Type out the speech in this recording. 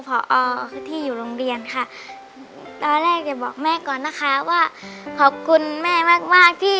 พอที่อยู่โรงเรียนค่ะตอนแรกจะบอกแม่ก่อนนะคะว่าขอบคุณแม่มากมากที่